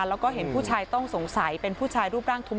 แล้วก็เห็นผู้ชายต้องสงสัยเป็นผู้ชายรูปร่างทุม